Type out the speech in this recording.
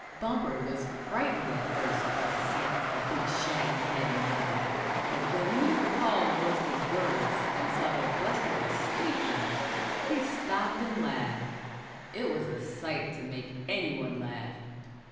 Bumper was frightened at first by the sight of the big, shaggy head and body, but when he recalled Rusty's words, and saw that Buster was sleeping, he stopped and laughed. It was a sight to make any one laugh.